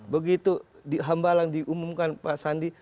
begitu di hambalang diumumkan pak sandi